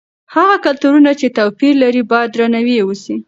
هغه کلتورونه چې توپیر لري باید درناوی یې وسي.